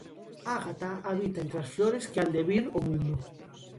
Ágata habita entre as flores que han de vir ó mundo.